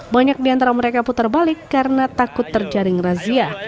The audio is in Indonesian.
banyak diantara mereka putar balik karena takut terjaring razia